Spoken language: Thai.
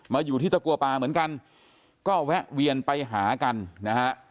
อยู่ที่ตะกัวป่าเหมือนกันก็แวะเวียนไปหากันนะฮะ